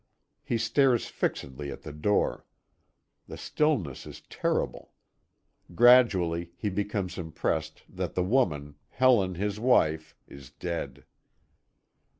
He stares fixedly at the door. The stillness is terrible. Gradually he becomes impressed that the woman Helen, his wife, is dead.